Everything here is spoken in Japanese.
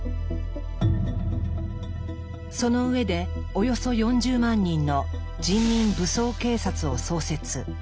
その上でおよそ４０万人の「人民武装警察」を創設。